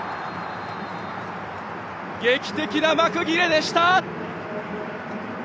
劇的な幕切れでした！